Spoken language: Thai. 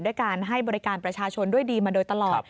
ด้วยการให้บริการประชาชนด้วยดีมาโดยตลอด